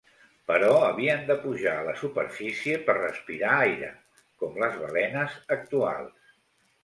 Però havien de pujar a la superfície per respirar aire, com les balenes actuals.